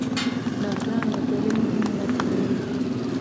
ډاکټران د ټولنې مهمه برخه جوړوي.